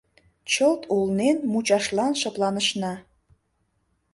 Чылт улнен, мучашлан шыпланышна.